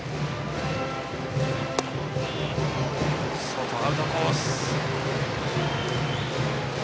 外、アウトコース。